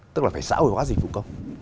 tức là phải xã hội hóa dịch vụ công